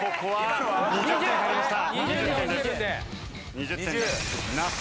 ２０点です。